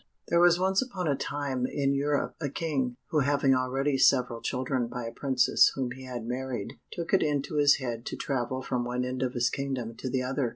There was once upon a time, in Europe, a King, who having already several children by a princess whom he had married, took it into his head to travel from one end of his kingdom to the other.